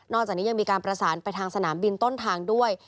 จากนี้ยังมีการประสานไปทางสนามบินต้นทางด้วย